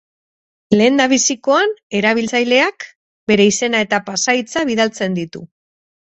Lehendabizikoan erabiltzaileak bere izena eta pasahitza bidaltzen ditu.